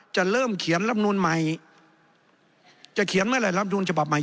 จะเริ่มเขียนลำนูลใหม่จะเขียนเมื่อไหร่รับนูลฉบับใหม่